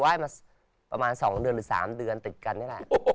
ไปไหว้มาสองเดือนหรือสามเดือนติดกันนี่แหละ